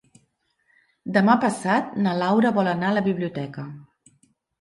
Demà passat na Laura vol anar a la biblioteca.